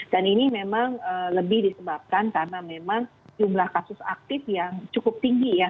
dan ini memang lebih disebabkan karena memang jumlah kasus aktif yang cukup tinggi ya